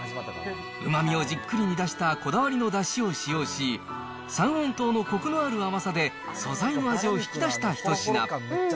うまみをじっくりに出したこだわりのだしを使用し、三温糖のこくのある甘さで素材の味を引き出した一品。